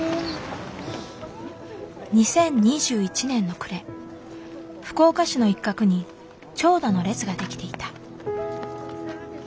２０２１年の暮れ福岡市の一角に長蛇の列ができていた。